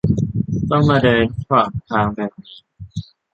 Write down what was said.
ต้องมาเดินฝั่ง 'ทาง'แบบนี้